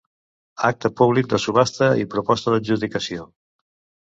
Acte públic de subhasta i proposta d'adjudicació.